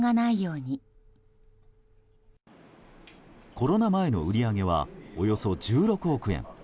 コロナ前の売り上げはおよそ１６億円。